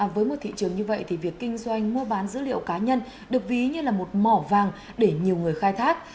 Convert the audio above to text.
với một thị trường như vậy thì việc kinh doanh mua bán dữ liệu cá nhân được ví như là một mỏ vàng để nhiều người khai thác